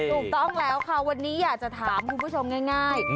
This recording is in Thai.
ถูกต้องแล้วค่ะวันนี้อยากจะถามคุณผู้ชมง่าย